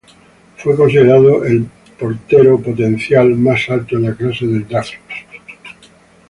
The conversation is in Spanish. Fue considerado como el portero potencial más alto en la clase del draft.